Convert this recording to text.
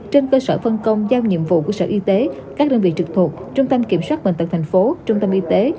trên cơ sở phân công giao nhiệm vụ của sở y tế các đơn vị trực thuộc trung tâm kiểm soát bệnh tật tp trung tâm y tế